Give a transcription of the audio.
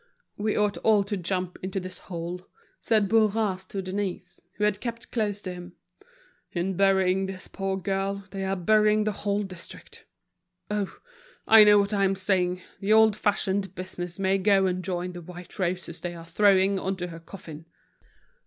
"We ought all to jump into this hole," said Bourras to Denise, who had kept close to him. "In burying this poor girl they are burying the whole district. Oh! I know what I am saying, the old fashioned business may go and join the white roses they are throwing on to her coffin."